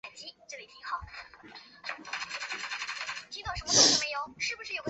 泰达控股的唯一股东为天津市人民政府国有资产监督管理委员会。